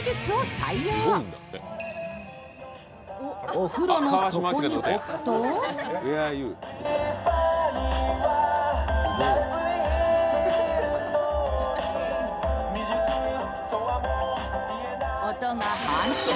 お風呂の底に置くと音が反響。